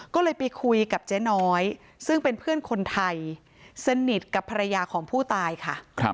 ก็เลยไปคุยกับเจ๊น้อยซึ่งเป็นเพื่อนคนไทยสนิทกับภรรยาของผู้ตายค่ะ